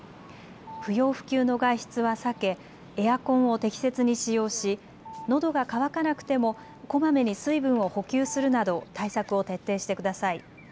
不要不急の外出は避けエアコンを適切に使用し、のどが渇かなくてもこまめに水分を補給するなど対策を徹底してください。